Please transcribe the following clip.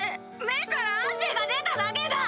目から汗が出ただけだ！